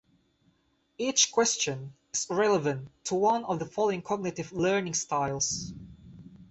Each question is relevant to one of the following cognitive learning styles.